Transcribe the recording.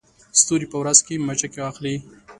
ستوري په ورځ کې مچکې اخلي